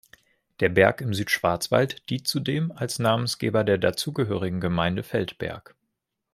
Der Berg im Südschwarzwald dient zudem als Namensgeber der dazugehörigen Gemeinde Feldberg.